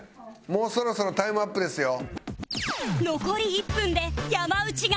もうそろそろタイムアップですよ。